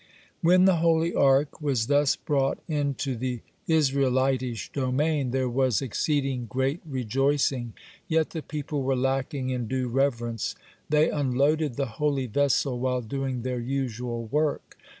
(36) When the holy Ark was thus brought into the Israelitish domain, there was exceeding great rejoicing. Yet the people were lacking in due reverence. They unloaded the holy vessel while doing their usual work.